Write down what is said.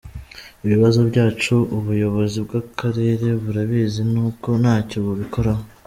Ibibazo byacu ubuyobozi bw’Akarere burabizi ni uko ntacyo bubikoraho.